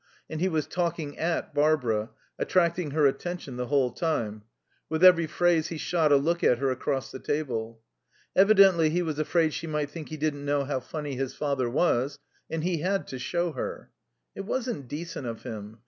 And he was talking at Barbara, attracting her attention the whole time; with every phrase he shot a look at her across the table. Evidently he was afraid she might think he didn't know how funny his father was, and he had to show her. It wasn't decent of him.